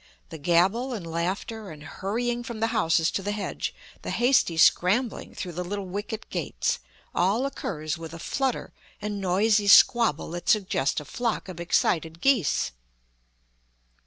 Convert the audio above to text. The gabble and laughter and hurrying from the houses to the hedge, the hasty scrambling through the little wicket gates, all occurs with a flutter and noisy squabble that suggest a flock of excited geese.